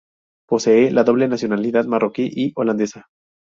Posee la doble nacionalidad marroquí y holandesa.